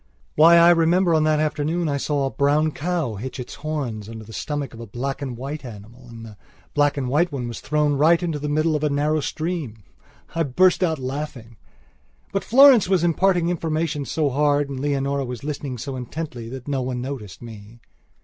Why, I remember on that afternoon I saw a brown cow hitch its horns under the stomach of a black and white animal and the black and white one was thrown right into the middle of a narrow stream. I burst out laughing. But Florence was imparting information so hard and Leonora was listening so intently that no one noticed me.